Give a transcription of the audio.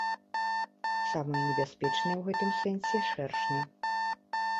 Самыя небяспечныя ў гэтым сэнсе шэршні.